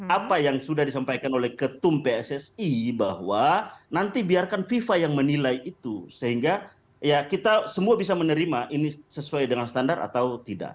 apa yang sudah disampaikan oleh ketum pssi bahwa nanti biarkan viva yang menilai itu sehingga ya kita semua bisa menerima ini sesuai dengan standar atau tidak